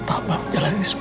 tampak menjalankan semua